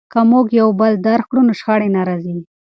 که موږ یو بل درک کړو نو شخړې نه راځي.